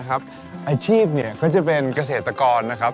อาชีพก็จะเป็นเกษตรกร